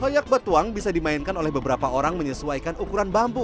hoyak batuang bisa dimainkan oleh beberapa orang menyesuaikan ukuran bambu